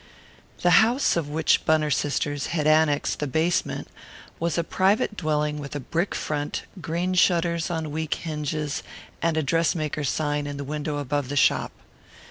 The house of which Bunner Sisters had annexed the basement was a private dwelling with a brick front, green shutters on weak hinges, and a dress maker's sign in the window above the shop.